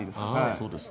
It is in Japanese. そうですか？